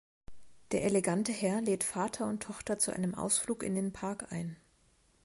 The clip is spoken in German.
Der elegante Herr lädt Vater und Tochter zu einem Ausflug in den Park ein.